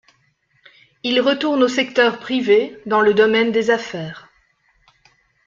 Il retourne au secteur privé dans le domaine des affaires.